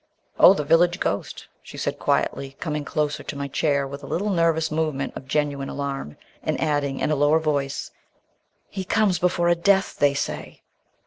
"Oh, the village ghost," she said quietly, coming closer to my chair with a little nervous movement of genuine alarm, and adding in a lower voice, "He comes before a death, they say!"